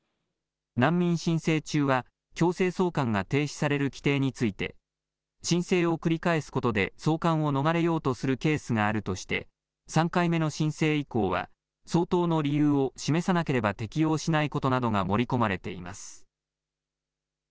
難民申請中は強制送還が停止される規定について申請を繰り返すことで送還を逃れようとするケースがあるとして３回目の申請以降は相当の理由を示さなければ適用しないことなどが盛り込まれています。